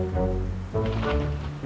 mobil apaan tuh